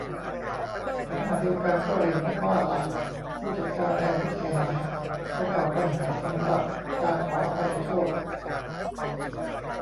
แต่ขณะเดียวกัน ก็เห็นว่าหลัก "ผู้จัดการแทนผู้เสียหาย" จะก่อปัญหา สำหรับ การขออภัยโทษ